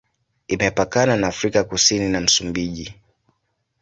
Imepakana na Afrika Kusini na Msumbiji.